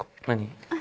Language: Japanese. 何？